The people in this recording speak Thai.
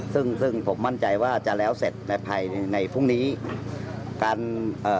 ซึ่งซึ่งผมมั่นใจว่าจะแล้วเสร็จในภายในพรุ่งนี้การเอ่อ